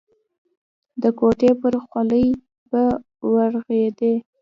د کوټې پر غولي به ورغړېد.